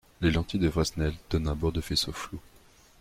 Les lentilles de Fresnel donnent un bord de faisceau flou.